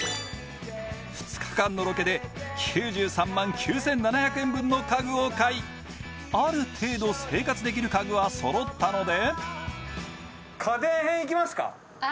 ２日間のロケで９３万９７００円分の家具を買いある程度生活できる家具は揃ったのでああ